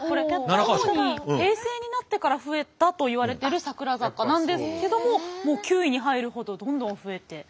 主に平成になってから増えたといわれてる桜坂なんですけどももう９位に入るほどどんどん増えていっていると。